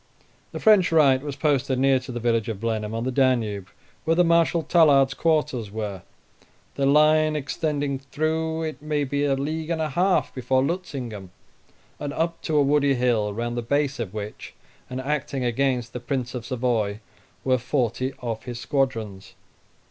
The French right was posted near to the village of Blenheim, on the Danube, where the Marshal Tallard's quarters were; their line extending through, it may be a league and a half, before Lutzingen and up to a woody hill, round the base of which, and acting against the Prince of Savoy, were forty of his squadrons.